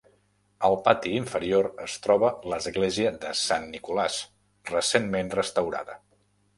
Al pati inferior es troba l'església de Sant Nicolás, recentment restaurada.